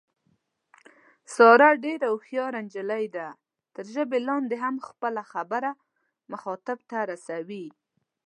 ساره ډېره هوښیاره نجیلۍ ده، تر ژبه لاندې هم خپله خبره مخاطب ته رسوي.